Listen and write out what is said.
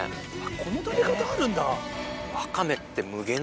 この食べ方あるんだ。